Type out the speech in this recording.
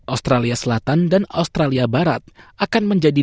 australia selatan dan australia barat akan menjadi